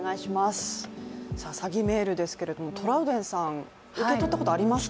詐欺メールですけれどもトラウデンさん、受け取ったことありますか？